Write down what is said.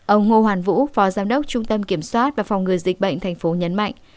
ông ngô hoàn vũ phó giám đốc trung tâm kiểm soát và phòng ngừa dịch bệnh tp nhấn mạnh